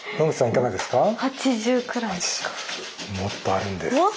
いかがですか？